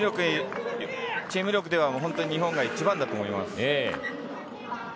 チーム力では日本が一番だと思います。